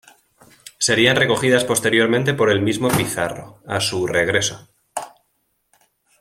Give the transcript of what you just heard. Serían recogidos posteriormente por el mismo Pizarro, a su regreso.